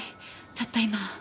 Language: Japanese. たった今。